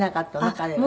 彼は。